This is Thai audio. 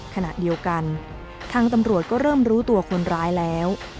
ขณะเดียวกันทางตำรวจก็เริ่มรู้ตัวคนร้ายแล้ว